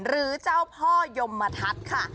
หรือเจ้าพ่อยมทัศน์ค่ะ